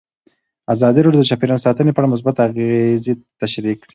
ازادي راډیو د چاپیریال ساتنه په اړه مثبت اغېزې تشریح کړي.